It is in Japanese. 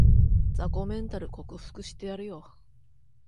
雑魚メンタル克服してやるよ